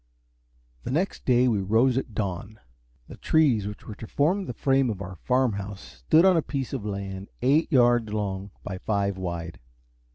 The next day we rose at dawn. The trees which were to form the frame of our farm house stood on a piece of land eight yards long by five wide.